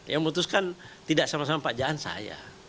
yang memutuskan tidak sama sama pak jaan saya